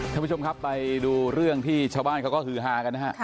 ท่านผู้ชมครับไปดูเรื่องที่ชาวบ้านเขาก็ฮือฮากันนะฮะ